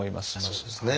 そうですね。